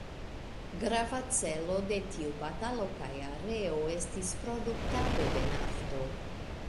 Grava celo de tiu batalo kaj areo estis produktado de nafto.